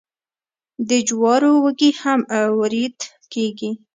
د جوارو وږي هم وریت کیږي.